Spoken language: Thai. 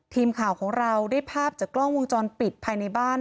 ทีมข่าวของเราได้ภาพจากกล้องวงจรปิดภายในบ้าน